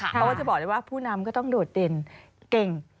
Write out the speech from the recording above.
เพราะว่าจะบอกเลยว่าผู้นำก็ต้องโดดเด่นเก่ง